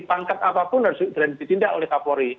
pangkat apapun harus ditindak oleh kapolri